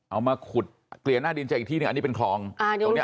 เอามาขุดเกลียดหน้าดินจากอีกที่นึงอันนี้เป็นคลองอ่าเกลียดหน้าดินเป็นคลอง